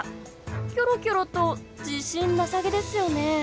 キョロキョロと自信なさげですよね。